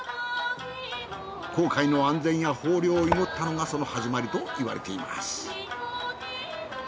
航海の安全や豊漁を祈ったのがその始まりといわれています。